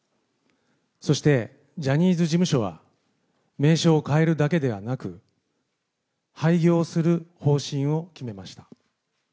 そして、ジャニーズ事務所は、名称を変えるだけではなく、廃業する方針を決めました。